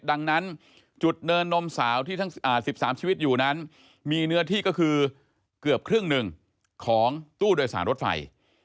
ดังนั้นจุดเนินนมสาวที่ทั้ง๑๓ชีวิตอยู่นั้นมีเนื้อที่ก็คือเกือบครึ่งหนึ่งของตู้โดยสารรถไฟ